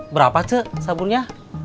berapa cek saburnya